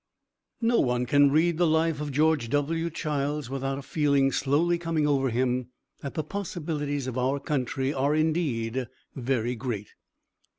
No one can read the life of George W. Childs without a feeling slowly coming over him that the possibilities of our country are indeed very great.